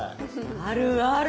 あるある。